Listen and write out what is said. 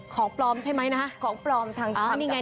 ของปลอมใช่ไหมนะของปลอมทางจัดไม้ผ่าน